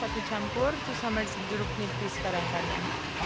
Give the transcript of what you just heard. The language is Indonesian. aku campur terus sampai jeruk nipis kadang kadang